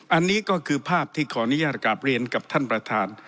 อันนี้ก็คือภาพที่ขออนุญาตกราบเรียนกับท่านประธาน